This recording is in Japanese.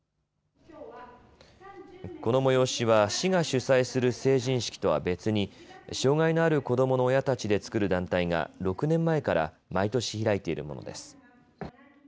この催しは市が主催する成人式とは別に障害のある子どもの親たちで作る団体が６年前から毎年開いているものです。